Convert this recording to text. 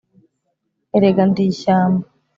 erega ndi ishyamba